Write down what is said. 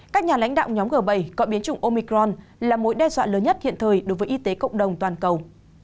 các nhà lãnh đạo nhóm g bảy gọi biến chủng omicron là mối đe dọa lớn nhất hiện thời đối với y tế cộng đồng toàn cầu